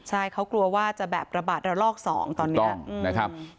ใช่เค้ากลัวว่าจะแบบระบัดลอก๒ตอนนี้